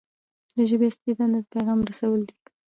د ژبې اصلي دنده د پیغام رسول دي.